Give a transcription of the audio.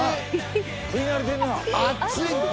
食い慣れてんな熱いって！